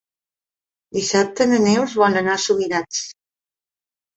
Dissabte na Neus vol anar a Subirats.